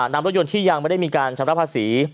นำรถยนต์ที่ยังไม่ได้มีการชำระภาษี